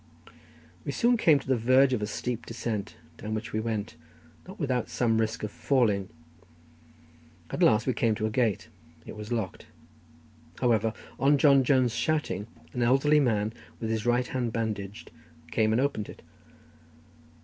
We soon came to the verge of a steep descent, down which we went, not without some risk of falling. At last we came to a gate; it was locked; however, on John Jones shouting, an elderly man, with his right hand bandaged, came and opened it.